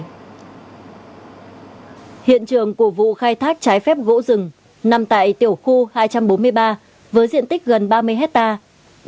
hiện trường của vụ khai thác trái phép gỗ rừng nằm tại tiểu khu hai trăm bốn mươi ba với diện tích gần ba mươi hectare